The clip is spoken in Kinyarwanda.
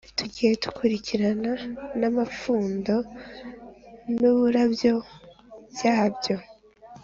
tugiye dukurikirana n’ amapfundo n’ uburabyo byabyo